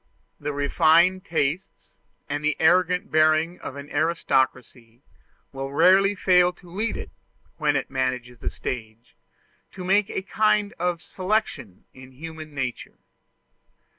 The refined tastes and the arrogant bearing of an aristocracy will rarely fail to lead it, when it manages the stage, to make a kind of selection in human nature.